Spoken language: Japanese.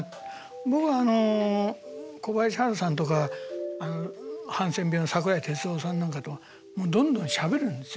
僕は小林ハルさんとかハンセン病の桜井哲夫さんなんかとどんどんしゃべるんですよね。